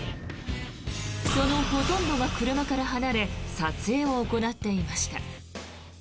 そのほとんどが車から離れ撮影を行っていました。